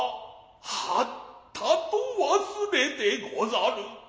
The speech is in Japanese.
はったと忘れて御座る。